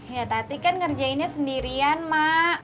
ya tati kan ngerjainnya sendirian mak